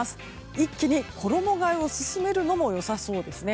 一気に衣替えを進めるのもよさそうですね。